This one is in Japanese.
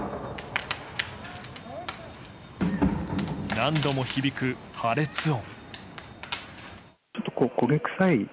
何度も響く破裂音。